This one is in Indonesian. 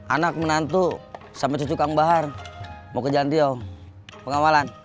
anak menantu sama cucu kang bahar mau ke jalan pengawalan